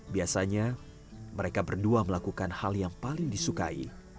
biasanya mereka berdua melakukan hal yang paling disukai